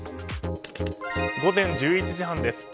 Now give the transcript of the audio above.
午前１１時半です。